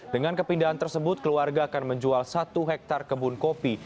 dengan kepindahan tersebut keluarga akan menjual satu hektare kebun kopi